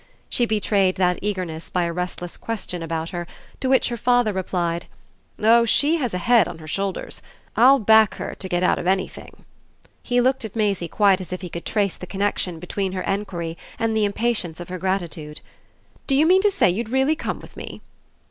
She betrayed that eagerness by a restless question about her, to which her father replied: "Oh she has a head on her shoulders. I'll back her to get out of anything!" He looked at Maisie quite as if he could trace the connexion between her enquiry and the impatience of her gratitude. "Do you mean to say you'd really come with me?"